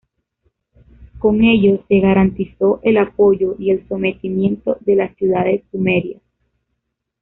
Con ello se garantizó el apoyo y el sometimiento de las ciudades sumerias.